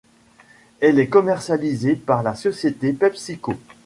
Elle est commercialisée par la société PepsiCo.